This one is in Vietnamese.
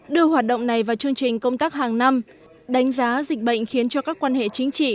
đưa hoạt động này vào chương trình công tác hàng năm đánh giá dịch bệnh khiến cho các quan hệ chính trị